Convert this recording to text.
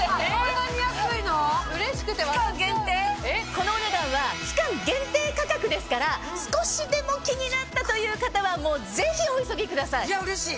このお値段は期間限定価格ですから少しでも気になったという方はぜひお急ぎください。